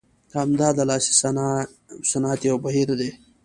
همدا د لاسي صنایع صنعت یو بهیر دی.